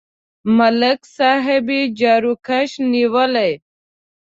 ملک صاحب یې جاروکش نیولی.